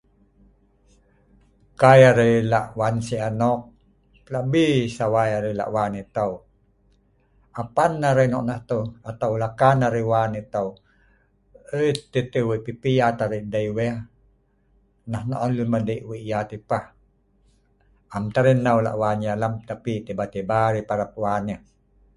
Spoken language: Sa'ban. If we want something, our heart really wants to get. If we get him, suddenly we have him that people say is happy.